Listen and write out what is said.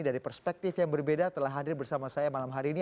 dari perspektif yang berbeda telah hadir bersama saya malam hari ini